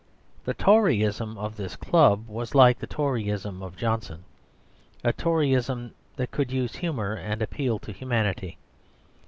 The Toryism of this club was like the Toryism of Johnson, a Toryism that could use humour and appealed to humanity.